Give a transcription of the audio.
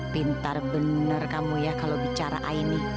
pintar benar kamu ya kalau bicara aini